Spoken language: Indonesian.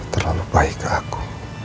terlalu baik aku